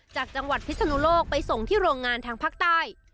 จากจังหวัดพิศนุโลกไปส่งที่โรงงานทางภาคใต้